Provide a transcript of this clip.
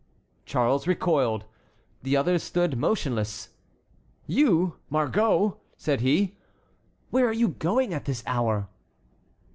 Charles recoiled. The others stood motionless. "You, Margot!" said he. "Where are you going at this hour?"